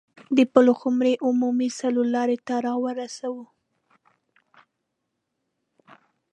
د پلخمري عمومي څلور لارې ته راورسوه.